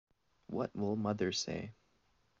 What will mother say?